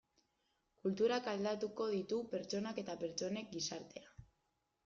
Kulturak aldatuko ditu pertsonak eta pertsonek gizartea.